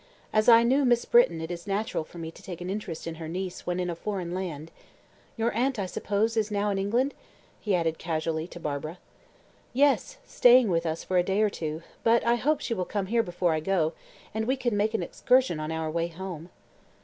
As I knew Miss Britton it is natural for me to take an interest in her niece when in a foreign land. Your aunt, I suppose, is now in England?" he added casually to Barbara. "Yes staying with us for a day or two; but I hope she will come here before I go, and we could make an excursion on our way home."